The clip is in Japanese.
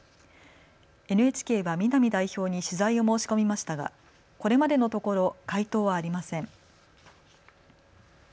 ＮＨＫは南代表に取材を申し込みましたが、これまでのところ、回答はありません。